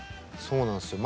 そうなんですよ。